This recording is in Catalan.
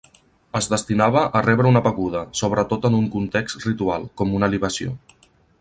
Es destinava a rebre una beguda, sobretot en un context ritual, com una libació.